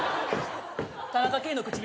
田中圭の唇。